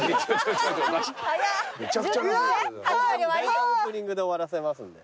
オープニングで終わらせますんで。